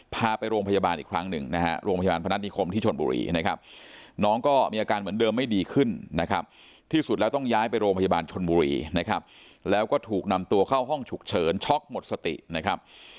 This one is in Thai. พาไปโรงพยาบาลอีกครั้งนึงนะฮะโรงพยาบาลพนัดดิคมที่ช่วงชนบุหรี่นะครับ